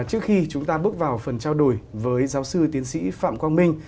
trước khi chúng ta bước vào phần trao đổi với giáo sư tiến sĩ phạm quang minh